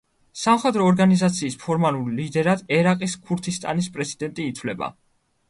სამხედრო ორგანიზაციის ფორმალურ ლიდერად ერაყის ქურთისტანის პრეზიდენტი ითვლება.